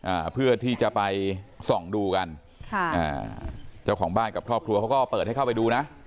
อ่าเพื่อที่จะไปส่องดูกันค่ะอ่าเจ้าของบ้านกับครอบครัวเขาก็เปิดให้เข้าไปดูนะ